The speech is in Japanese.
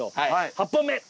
８本目！